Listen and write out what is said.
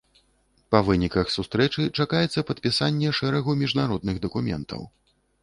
Па выніках сустрэчы чакаецца падпісанне шэрагу міжнародных дакументаў.